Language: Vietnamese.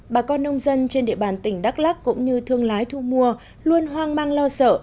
bà con nông dân trên địa bàn tỉnh đắk lắc cũng như thương lái thu mua luôn hoang mang lo sợ